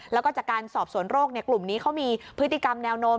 แล้วก็จากการสอบสวนโรคกลุ่มนี้เขามีพฤติกรรมแนวโน้ม